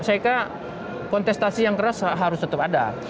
saya kira kontestasi yang keras harus tetap ada